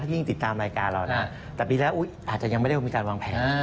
ยิ่งติดตามรายการเรานะแต่ปีแรกอาจจะยังไม่ได้มีการวางแผน